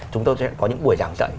chúng tôi sẽ có những buổi giảng dạy